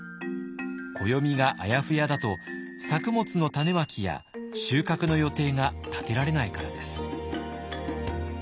暦があやふやだと作物の種まきや収穫の予定が立てられないからです。